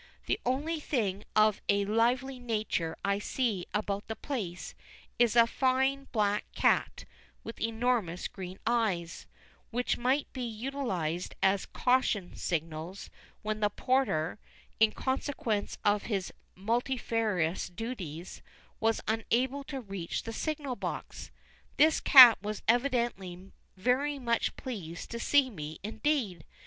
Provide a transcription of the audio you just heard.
The only thing of a lively nature I see about the place is a fine black cat, with enormous green eyes, which might be utilised as "caution" signals when the porter, in consequence of his multifarious duties, was unable to reach the signal box. This cat was evidently very much pleased to see me indeed.